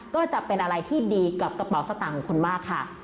ก็จะเป็นอะไรที่ดีกับกระเป๋าสตางค์ของคุณมากค่ะ